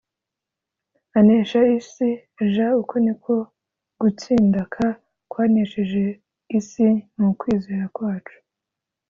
anesha isi j uku ni ko gutsinda k kwanesheje l isi ni ukwizera kwacu